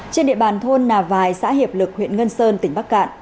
trên địa bàn thôn nà vài xã hiệp lực huyện ngân sơn tỉnh bắc cạn